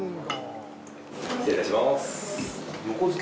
失礼いたします。